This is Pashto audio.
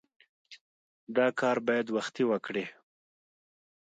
دا کار باید وختي وکړې.